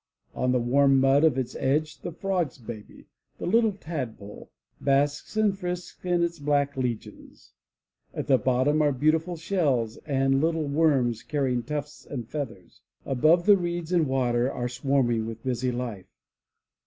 On the warm mud of its edge the Frog's baby, the little Tadpole, basks and frisks in its black legions. At the bottom are beautiful shells and little worms carrying tufts and feathers. Above, the reeds and water are swarming with busy life.